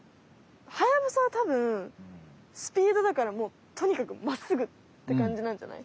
ハヤブサはたぶんスピードだからもうとにかくまっすぐって感じなんじゃない。